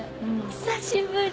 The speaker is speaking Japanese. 久しぶり！